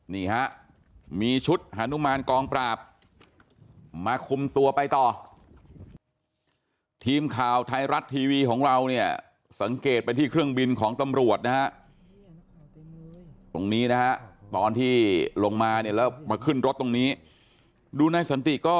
นี่ฮะมีชุดฮานุมานกองปราบมาคุมตัวไปต่อทีมข่าวไทยรัฐทีวีของเราเนี่ยสังเกตไปที่เครื่องบินของตำรวจนะฮะตรงนี้นะฮะตอนที่ลงมาเนี่ยแล้วมาขึ้นรถตรงนี้ดูนายสันติก็